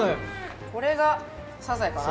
これがサザエかな？